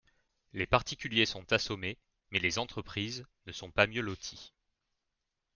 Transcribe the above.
Les particuliers sont assommés, mais les entreprises ne sont pas mieux loties.